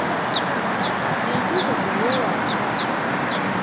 Entuuko teyeewalika.